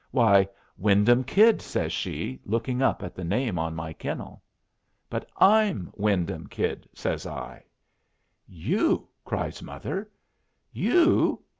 "Why, Wyndham Kid," says she, looking up at the name on my kennel. "But I'm Wyndham Kid!" says I. "You!" cries mother. "You!